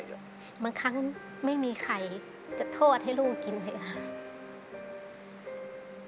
บางครั้งไม่มีไข่จะโทษให้ลูกกินไหมค่ะ